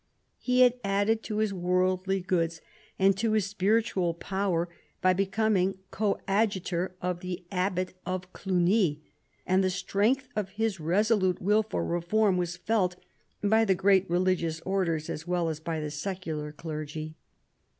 He had added to his worldly goods and his spiritual power by becoming Coadjutor of the Abbot )f Cluny, and the strength of his resolute will for reform vas felt by the great religious orders as well as by the lecular clergy.